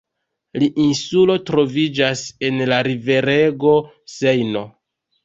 La insulo troviĝas en la riverego Sejno.